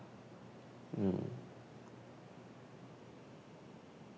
うん。